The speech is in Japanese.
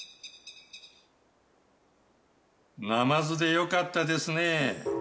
ナマズでよかったですね。